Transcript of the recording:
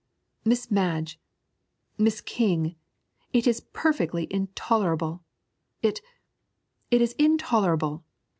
'Miss Madge! Miss King! It is perfectly intolerable! It it is intolerable!'